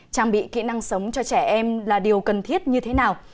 trang bị kỹ năng sống cho trẻ em là điều cần thiết như thế nào